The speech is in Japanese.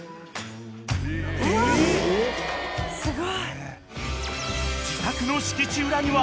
すごい。